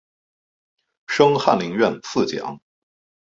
升翰林院侍讲。